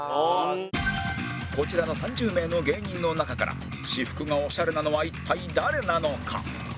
こちらの３０名の芸人の中から私服がオシャレなのは一体誰なのか？